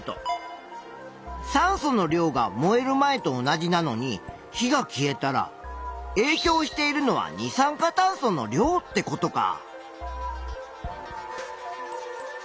酸素の量が燃える前と同じなのに火が消えたらえいきょうしているのは二酸化炭素の量ってことか。